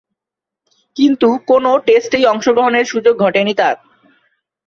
কিন্তু কোন টেস্টেই অংশগ্রহণের সুযোগ ঘটেনি তার।